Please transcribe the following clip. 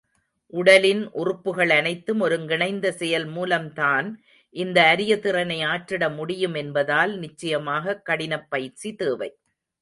உடலின் உறுப்புகள் அனைத்தும் ஒருங்கிணைந்த செயல்மூலம்தான் இந்த அரிய திறனை ஆற்றிட முடியும் என்பதால், நிச்சயமாகக் கடினப்பயிற்சி தேவை.